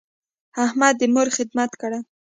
احمد د مور خدمت کړی.